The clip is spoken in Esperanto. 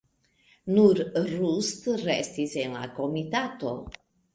Nur Rust restis en la komitato.